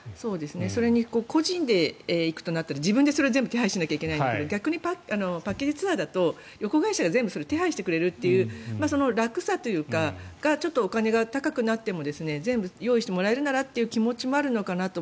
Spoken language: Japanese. それに個人で行くとなったら自分でそれを手配しないといけないんだけど逆にパッケージツアーだと旅行会社が全部手配してくれるというその楽さというかお金がちょっと高くなっても全部用意してもらえるならという気持ちもあるのかなと。